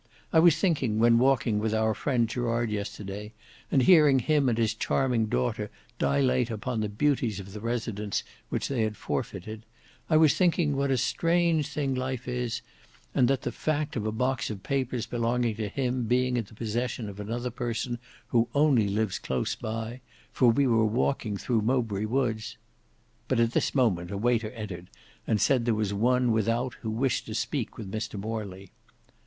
I was thinking when walking with our friend Gerard yesterday, and hearing him and his charming daughter dilate upon the beauties of the residence which they had forfeited, I was thinking what a strange thing life is, and that the fact of a box of papers belonging to him being in the possession of another person who only lives close by, for we were walking through Mowbray woods—" But at this moment a waiter entered and said there was one without who wished to speak with Mr Morley.